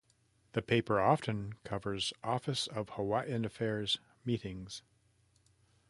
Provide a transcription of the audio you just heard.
The paper often covers Office of Hawaiian Affairs meetings.